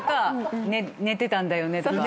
「寝てたんだよね」とか。